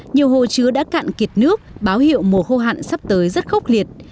nhiều hồ chứa đã cạn kiệt nước báo hiệu mùa khô hạn sắp tới rất khốc liệt